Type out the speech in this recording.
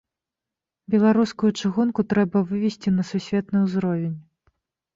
Беларускую чыгунку трэба вывесці на сусветны ўзровень.